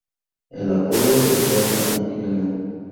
El apodo de Oda en Hello!